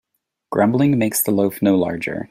Grumbling makes the loaf no larger.